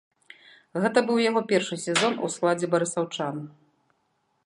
Гэта быў яго першы сезон у складзе барысаўчан.